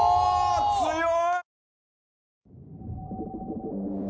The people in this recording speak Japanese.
強い！